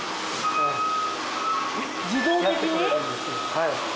はい。